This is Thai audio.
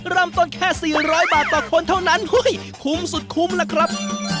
เริ่มต้นแค่๔๐๐บาทต่อคนเท่านั้นคุ้มสุดคุ้มล่ะครับ